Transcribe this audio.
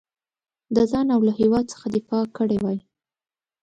د ځان او له هیواد څخه دفاع کړې وای.